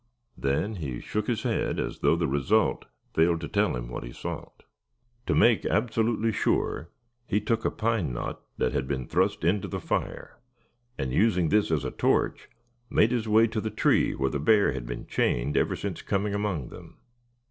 Then he shook his head as though the result failed to tell him what he sought. To make absolutely sure, he took a pine knot that had been thrust into the fire; and using this as a torch, made his way to the tree where the bear had been chained ever since coming among them.